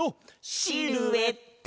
シルエット！